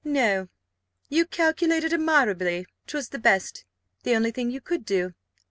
"No you calculated admirably 'twas the best, the only thing you could do.